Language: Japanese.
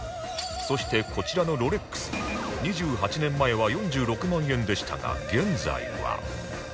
そしてこちらのロレックス２８年前は４６万円でしたが現在は